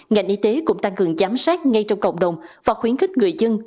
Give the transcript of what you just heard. ngành y tế cũng tăng cường giám sát ngay trong cộng đồng và khuyến khích người dân